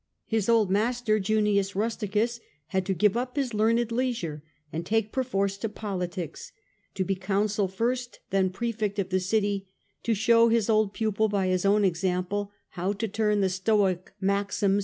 His old master Junius Rusticus had to give up his learned leisure, and take perforce to politics, to be consul first, then prefect of the city, to show his old pupil by his own example how to turn the Stoic maxims 94 The Age of the Antonines.